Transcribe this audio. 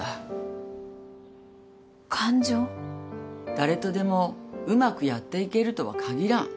誰とでもうまくやっていけるとは限らん。